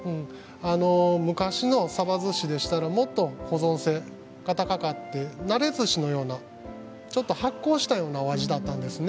昔のさばずしでしたらもっと保存性が高かってなれずしのようなちょっと発酵したようなお味だったんですね。